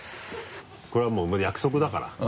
これはもう約束だから。